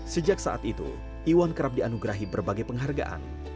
sejak saat itu iwan kerap dianugerahi berbagai penghargaan